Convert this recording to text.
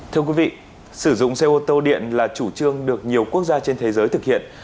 thưa quý vị sử dụng xe ô tô điện là chủ trương được nhiều quốc gia trên thế giới thực hiện